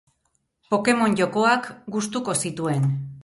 Pokemon jokoak gustuko zituen.